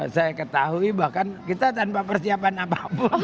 saya ketahui bahkan kita tanpa persiapan apapun